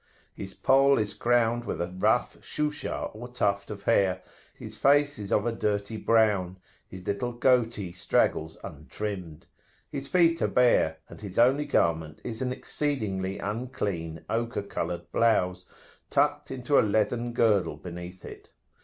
His poll is crowned with a rough Shushah or tuft of hair[FN#1]; his face is of a dirty brown, his little goatee straggles untrimmed; his feet are bare, and his only garment is an exceedingly unclean ochre coloured blouse, tucked into a leathern girdle beneath it.